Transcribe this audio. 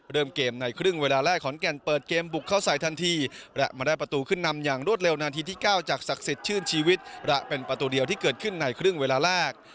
เริ่มเกมในครึ่งเวลาแรกขอนแก่นเปิดเกมบุกเข้าใส่ทันทีและมาได้ประตูขึ้นนำอย่างรวดเร็วนาทีที่๙จากศักดิ์สิทธิชื่นชีวิตและเป็นประตูเดียวที่เกิดขึ้นในครึ่งเวลาแรก